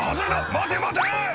待て待て！」